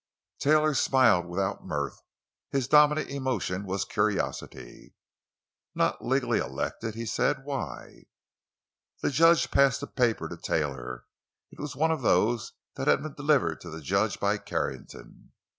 Taylor smiled without mirth. His dominant emotion was curiosity. "Not legally elected?" he said. "Why?" The judge passed a paper to Taylor; it was one of those that had been delivered to the judge by Carrington.